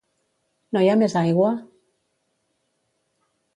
No hi ha més aigua?